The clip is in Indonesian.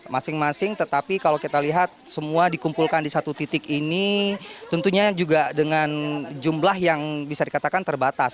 masing masing tetapi kalau kita lihat semua dikumpulkan di satu titik ini tentunya juga dengan jumlah yang bisa dikatakan terbatas